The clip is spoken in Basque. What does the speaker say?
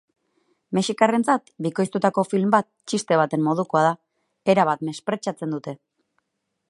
Mexikarrentzat bikoiztutako film bat txiste baten modukoa da, erabat mespretxatzen dute.